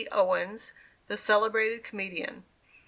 Owens, the celebrated comedian.